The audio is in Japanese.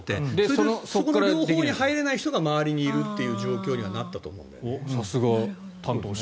その両方に入れない人が周りにいるという状況になったと思うんだよね。